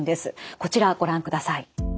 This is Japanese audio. こちらご覧ください。